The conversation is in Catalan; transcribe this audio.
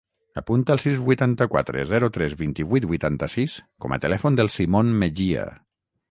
Apunta el sis, vuitanta-quatre, zero, tres, vint-i-vuit, vuitanta-sis com a telèfon del Simon Mejia.